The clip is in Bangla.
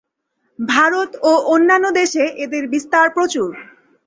ভারত ও অন্যান্য দেশে এদের বিস্তার প্রচুর।